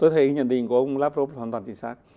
tôi thấy nhận định của ông lavrov hoàn toàn chính xác